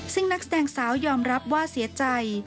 ซึ่งนักแสดงสาวยอมรับว่าเสียใจ